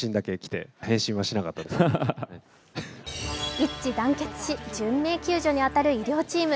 一致団結し、人命救助に当たる医療チーム。